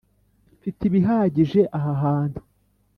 mfite ibihagije aha hantu.